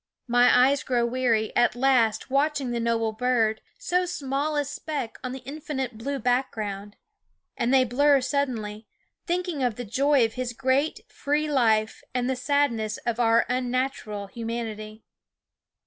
My eyes grow weary, at last, watching the noble bird, so small a speck on the infinite THE WOODS * blue background ; and they blur suddenly, thinking of the joy of his great free life, and the sadness of our unnatural humanity.